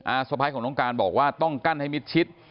สะพ้ายของน้องการบอกว่าต้องกั้นให้มิดชิด